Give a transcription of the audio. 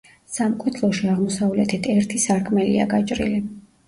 სამკვეთლოში აღმოსავლეთით ერთი სარკმელია გაჭრილი.